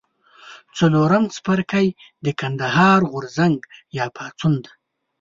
څلورم څپرکی د کندهار غورځنګ یا پاڅون دی.